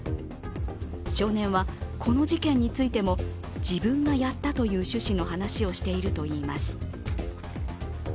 少年は、この事件についても自分がやったという趣旨の話をしているといいます。